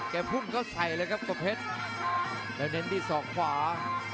แก่พุ่งก็ใส่เลยครับกบเพชรแล้วเน้นดีซอกขวา